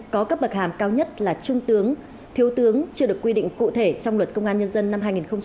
có cấp bậc hàm cao nhất là trung tướng thiếu tướng chưa được quy định cụ thể trong luật công an nhân dân năm hai nghìn một mươi ba